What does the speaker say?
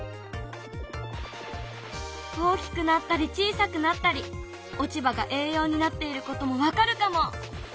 大きくなったり小さくなったり落ち葉が栄養になっていることも分かるかも！